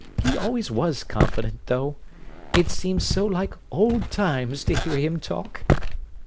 He always was confident, though. It seems so like old times to hear him talk!"